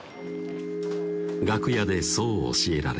楽屋でそう教えられた